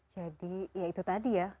jadi ya itu tadi ya